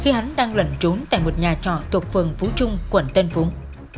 khi hắn đang lẩn trốn tại một nhà trọ thuộc phường phú trung quận tân phúng